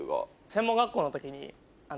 専門学校の時に。